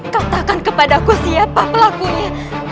katakan kepada aku siapa pelakunya